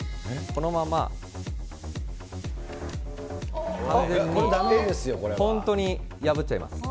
このまま、完全に、本当に破っちゃいます。